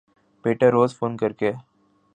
بیٹا روز فون کر کے